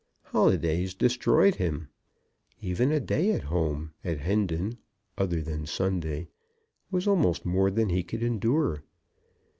Holidays destroyed him. Even a day at home at Hendon, other than Sunday, was almost more than he could endure.